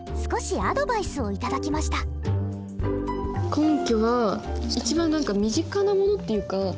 根拠は一番何か身近なものっていうか。